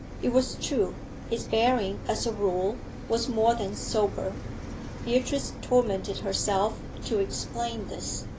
It was true; his bearing as a rule was more than sober. Beatrice tormented herself to explain this.